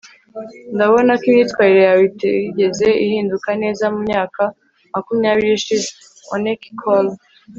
ndabona ko imyitwarire yawe itigeze ihinduka neza mumyaka makumyabiri ishize. (ooneykcall